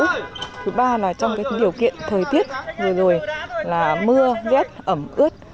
thứ ba là trong cái điều kiện thời tiết rồi rồi là mưa vét ẩm ướt